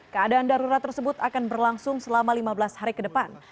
keadaan darurat tersebut akan berlangsung selama lima belas hari ke depan